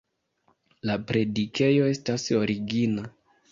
La predikejo estas origina.